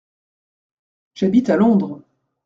J’habite à Londres.